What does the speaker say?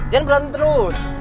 jangan berantem terus